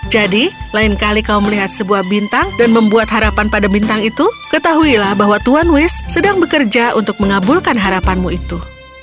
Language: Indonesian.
jadi lain kali kau melihat sebuah bintang dan membuat harapan pada bintang itu ketahuilah bahwa tuan wiz sedang bekerja untuk mengabulkan harapanmu itu